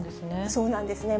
そうなんですね。